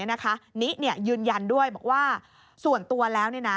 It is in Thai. นิยืนยันด้วยบอกว่าส่วนตัวแล้ว